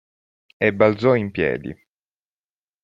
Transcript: E balzò in piedi.